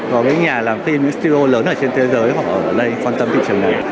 vào cái nhà làm phim những studio lớn trên thế giới họ ở đây quan tâm thị trường này